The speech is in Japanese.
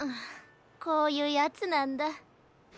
こういうやつなんだ。